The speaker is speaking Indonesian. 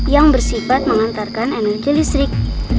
yang bersifat mengantarkan energi listrik